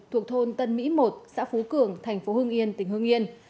thuộc thôn tân mỹ một xã phú cường thành phố hưng yên tỉnh hương yên